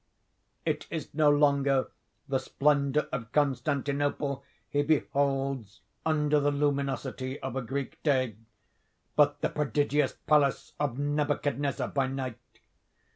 It is no longer the splendour of Constantinople he beholds under the luminosity of a Greek day; but the prodigious palace of Nebuchadnezzar by night.